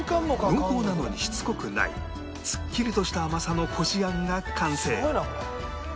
濃厚なのにしつこくないすっきりとした甘さのこしあんが完成